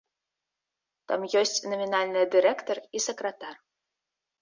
Там ёсць намінальныя дырэктар і сакратар.